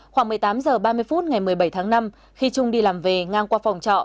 khoảng một mươi tám h ba mươi phút ngày một mươi bảy tháng năm khi trung đi làm về ngang qua phòng trọ